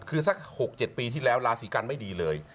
คือสัก๖๗ปีที่แล้วราศีกันไม่ดีเลย